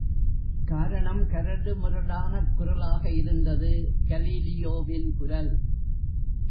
காரணம், கரடுமுரடானக் குரலாக இருந்தது கலீலியோவின் குரல்!